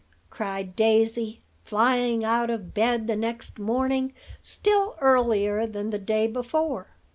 cried Daisy, flying out of bed the next morning still earlier than the day before.